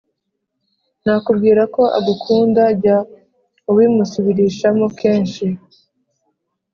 nakubwira ko agukunda, jya ubimusubirishamo kenshi,